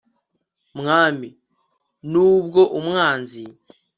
mwami. n'ubwo umwanzi